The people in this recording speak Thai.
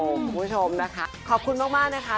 คุณผู้ชมนะคะขอบคุณมากนะคะ